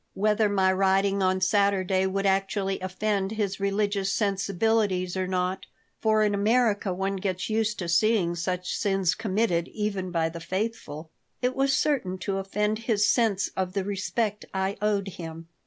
Whether my riding on Saturday would actually offend his religious sensibilities or not (for in America one gets used to seeing such sins committed even by the faithful), it was certain to offend his sense of the respect I owed him.